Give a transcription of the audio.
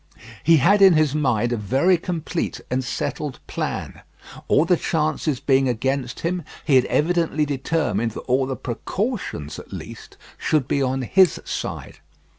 He had in his mind a very complete and settled plan. All the chances being against him, he had evidently determined that all the precautions at least should be on his side.